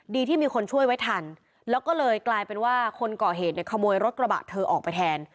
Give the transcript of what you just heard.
ที่มีคนช่วยไว้ทันแล้วก็เลยกลายเป็นว่าคนก่อเหตุเนี่ยขโมยรถกระบะเธอออกไปแทน